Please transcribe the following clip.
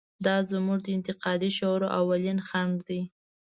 دا زموږ د انتقادي شعور اولین خنډ دی.